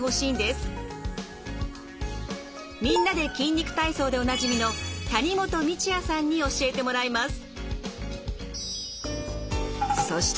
「みんなで筋肉体操」でおなじみの谷本道哉さんに教えてもらいます。